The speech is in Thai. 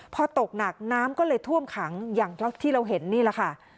พอตกหนักน้ำก็เลยท่วมขังอย่างที่เราเห็นนี่แหละค่ะ